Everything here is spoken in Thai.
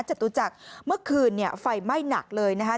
จัดตุจากเมื่อคืนไฟไหม้หนักเลยนะคะ